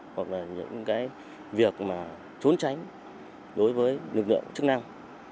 hoặc là những cái việc mà trốn tránh đối với lực lượng chức năng